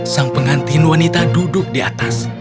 sang pengantin wanita duduk di atas